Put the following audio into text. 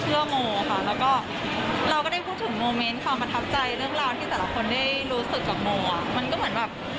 จริงว่าโมเขาสัมผัสได้ว่าบวกเรามาส่งกำลังใจให้เขา